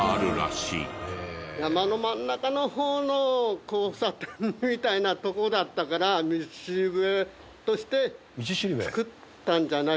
山の真ん中の方の交差点みたいなとこだったから道しるべとして作ったんじゃないですか？